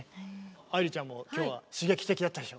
愛理ちゃんも今日は刺激的だったでしょ。